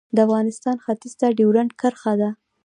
د افغانستان ختیځ ته ډیورنډ کرښه ده